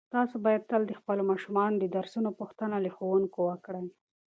تاسو باید تل د خپلو ماشومانو د درسونو پوښتنه له ښوونکو وکړئ.